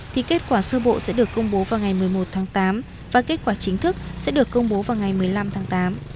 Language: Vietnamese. thì kết quả sơ bộ sẽ được công bố vào ngày một mươi một tháng tám và kết quả chính thức sẽ được công bố vào ngày một mươi năm tháng tám